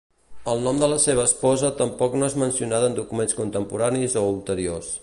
El nom de la seva esposa tampoc no és mencionada en documents contemporanis o ulteriors.